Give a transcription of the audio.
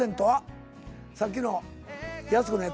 さっきのやす子のやつやね。